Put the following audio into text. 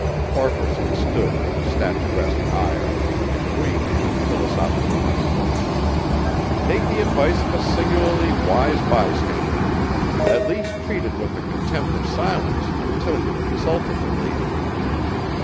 Farquaharson stood in a statuesque ire, and Wayne went philosophically on. "Take the advice of a singularly wise bystander. At least treat it with the contempt of silence until you've consulted the lady.